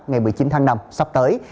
ngày một mươi chín tháng năm sắp tới